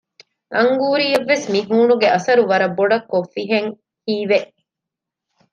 އަންގޫރީއަށް ވެސް މިހޫނުގެ އަސަރު ވަރަށް ބޮޑަށް ކޮށްފިހެން ހީވެ